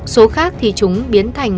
số khác thì chúng biến thành